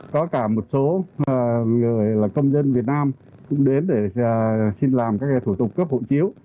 có cả một số người là công dân việt nam cũng đến để xin làm các thủ tục cấp hộ chiếu